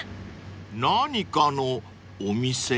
［何かのお店？］